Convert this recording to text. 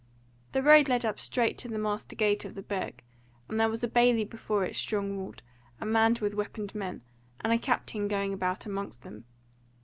The road led up straight to the master gate of the Burg, and there was a bailey before it strongly walled, and manned with weaponed men, and a captain going about amongst them.